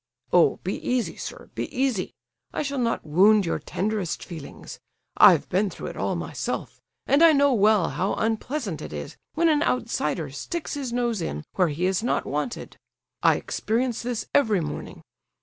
"Oh—be easy, sir, be easy! I shall not wound your tenderest feelings. I've been through it all myself, and I know well how unpleasant it is when an outsider sticks his nose in where he is not wanted. I experience this every morning.